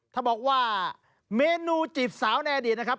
ถ้าบอกว่าเมนูจีบสาวในอดีตนะครับ